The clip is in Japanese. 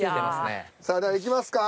ではいきますか。